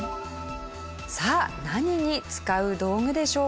さあ何に使う道具でしょうか？